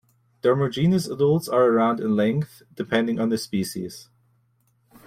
"Dermogenys" adults are around in length, depending on the species.